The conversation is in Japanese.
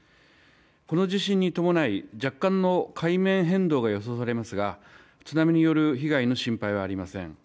この地震に伴い若干の海面変動が予想されますが津波による被害の心配はありません。